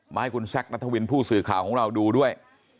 ให้คุณแซคนัทวินผู้สื่อข่าวของเราดูด้วย